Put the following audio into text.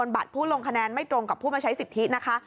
บัตรผู้ลงคะแนนไม่ตรงกับผู้มาใช้สิทธินะคะ